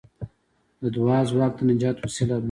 د دعا ځواک د نجات وسیله ده.